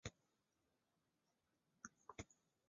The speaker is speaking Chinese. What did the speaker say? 市场问题也可以用分层广义线性模型来分析。